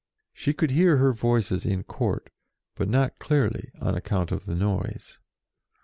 She could hear her Voices in Court, but not clearly on account of the noise.